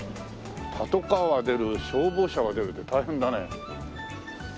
パトカーは出る消防車は出るって大変だね。